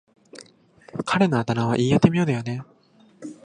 彼のあだ名は言い得て妙だよね。